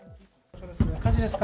火事ですか？